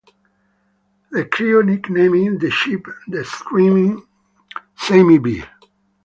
The crew nicknamed the ship the Steamin' Sammy B.